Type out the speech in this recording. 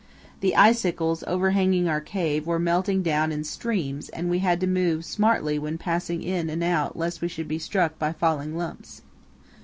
The icicles overhanging our cave were melting down in streams and we had to move smartly when passing in and out lest we should be struck by falling lumps.